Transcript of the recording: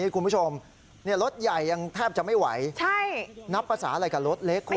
คุณผู้ชมเนี่ยรถใหญ่ยังแทบจะไม่ไหวใช่นับภาษาอะไรกับรถเล็กคุณ